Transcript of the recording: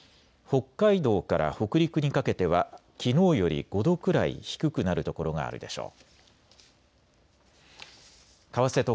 北海道から北陸にかけてはきのうより５度くらい低くなる所があるでしょう。